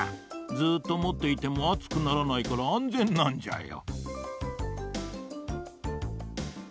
ずっともっていてもあつくならないからあんぜんなんじゃよ。